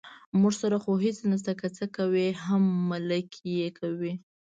موږ سره خو هېڅ نشته، که څه کوي هم ملک یې کوي.